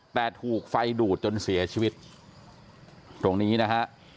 แต่ถูกไฟดูดจนเสียชีวิตตรงนี้นะฮะ